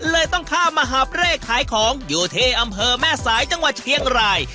เลยต้องข้ามมหาบเร่ขายของอยู่ที่อำเภอแม่สายจังหวัดเชียงราย